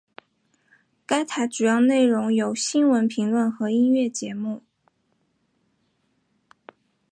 该台主要内容有新闻评论和音乐节目。